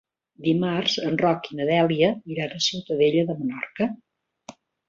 Dimarts en Roc i na Dèlia iran a Ciutadella de Menorca.